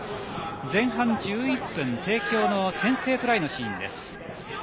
前半１１分、帝京の先制トライのシーン。